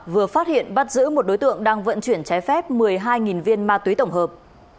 vừa phát hiện bắt giữ một đối tượng đang vận chuyển trái phép một mươi hai viên ma túy tổng hợp